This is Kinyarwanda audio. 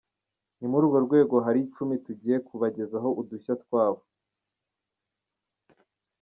Ni muri urwo rwego hari icumi tugiye kubagezaho udushya twabo.